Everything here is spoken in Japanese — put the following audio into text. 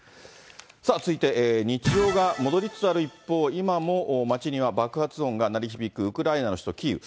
続いて、日常が戻りつつある一方、今も街には爆発音が鳴り響くウクライナの首都キーウ。